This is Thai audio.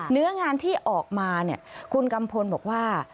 เนื้องานที่ออกมาคุณกัมพลบอกว่า